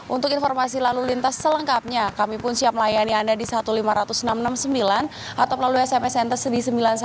untuk informasi lalu lintas selengkapnya kami pun siap melayani anda di lima belas ribu enam ratus enam puluh sembilan atau melalui sms senter di sembilan puluh satu ribu satu ratus sembilan belas